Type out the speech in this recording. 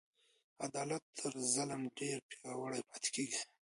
عدالت تر ظلم ډیر پیاوړی پاته کیږي.